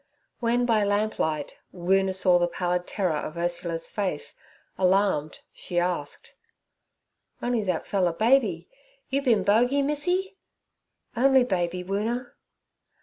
When by the lamplight Woona saw the pallid terror of Ursula's face, alarmed, she asked: 'On'y that fella baby, you bin bogey Missy?' 'Only baby, Woona.'